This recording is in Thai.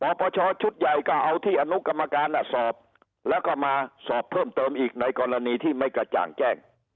ปปชชุดใหญ่ก็เอาที่อนุกรรมการสอบแล้วก็มาสอบเพิ่มเติมอีกในกรณีที่ไม่กระจ่างแจ้ง